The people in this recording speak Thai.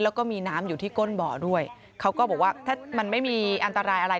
แล้วก็มีน้ำอยู่ที่ก้นบ่อด้วยเขาก็บอกว่าถ้ามันไม่มีอันตรายอะไร